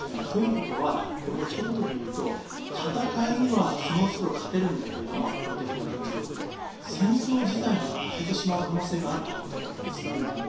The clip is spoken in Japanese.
ということはひと言で言うと戦いにはその都度、勝てるんだけど圧倒的な軍事力で戦争自体には負けてしまう可能性があるということだと思います。